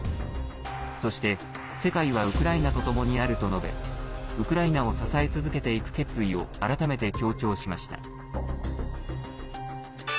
そして、世界はウクライナとともにあると述べウクライナを支え続けていく決意を改めて強調しました。